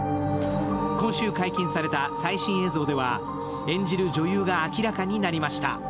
今週解禁された最新映像では演じる女優が明らかになりました。